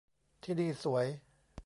ที่นี่สวย